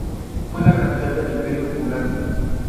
Fue la capital del imperio Fulani.